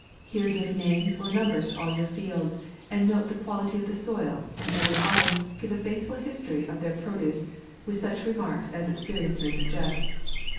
Here give names or numbers to all your fields, and note the quality of the soil ; and every autumn give a faithful history of their pro duce, with such remarks as experience may suggest.